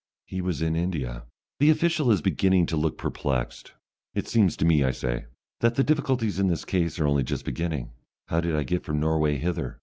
"He was in India." The official is beginning to look perplexed. "It seems to me," I say, "that the difficulties in this case are only just beginning. How did I get from Norway hither?